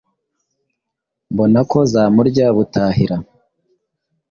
Mbona ko zamurya butahira